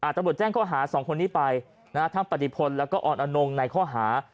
ตำรวจแจ้งข้อหา๒คนนี้ไปทั้งปฏิพลแล้วก็อ่อนอนงในข้อหา